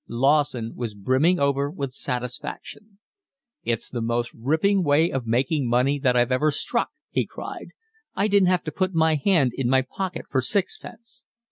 Lawson was brimming over with satisfaction. "It's the most ripping way of making money that I've ever struck," he cried. "I didn't have to put my hand in my pocket for sixpence."